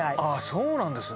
そうなんですね。